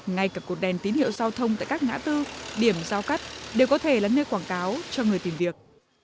ngay cả cột đèn tín hiệu giao thông tại các ngã tư điểm giao cắt đều có thể là nơi quảng cáo cho người tìm việc